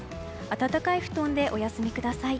暖かい布団でお休みください。